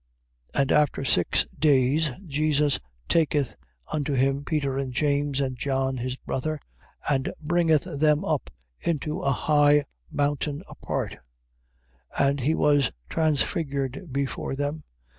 17:1. And after six days Jesus taketh unto him Peter and James, and John his brother, and bringeth them up into a high mountain apart: 17:2. And he was transfigured before them.